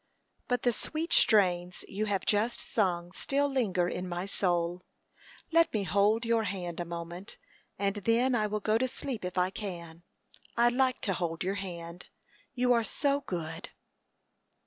"But the sweet strains you have just sung still linger in my soul. Let me hold your hand a moment, and then I will go to sleep if I can. I like to hold your hand you are so good."